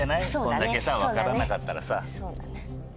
こんだけ分からなかったらさ。